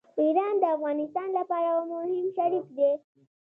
ایران د افغانستان لپاره مهم شریک دی.